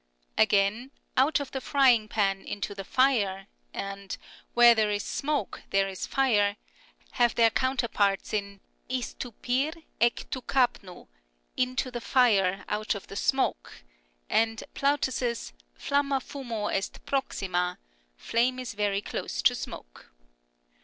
Again, " Out of the frying pan into the fire " and " Where there is smoke there is fire " have their counterparts in eh to irvp Ik Tov Ka jTvov (" Into the fire out of the smoke ") and Plautus's " Flamma fumo est proxima "(" Flame is very clcee to smoke